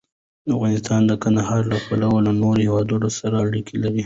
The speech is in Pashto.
افغانستان د کندهار له پلوه له نورو هېوادونو سره اړیکې لري.